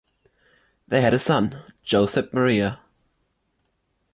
They had a son, Josep Maria.